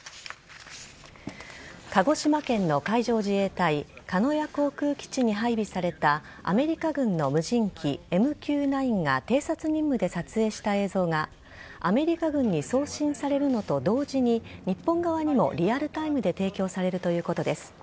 鹿児島県の海上自衛隊鹿屋航空基地に配備されたアメリカ軍の無人機・ＭＱ‐９が偵察任務で撮影した映像がアメリカ軍に送信されるのと同時に日本側にもリアルタイムで提供されるということです。